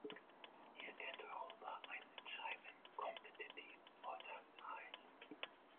Hier könnte Europa einen entscheidenden kompetitiven Vorteil erreichen.